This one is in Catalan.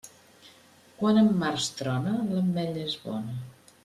Quan en març trona, l'ametlla és bona.